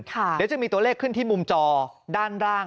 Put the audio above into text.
เดี๋ยวจะมีตัวเลขขึ้นที่มุมจอด้านล่าง